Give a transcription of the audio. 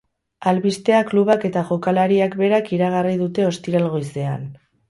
Albistea klubak eta jokalariak berak iragarri dute ostiral goizean.